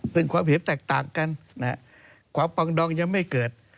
ซึ่งความเห็นแตกต่างกันความปองดองยังไม่เกิด